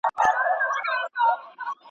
په خپلوي یې عالمونه نازېدله.